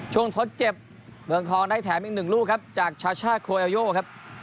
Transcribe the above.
ทดเจ็บเมืองทองได้แถมอีกหนึ่งลูกครับจากชาช่าโคเอลโยครับ